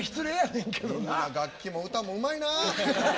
みんな楽器も歌もうまいな。